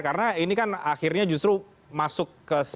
karena ini kan akhirnya justru masuk ke